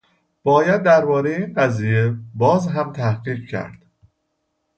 باید در بارهٔ این قضیه باز هم تحقیق کرد.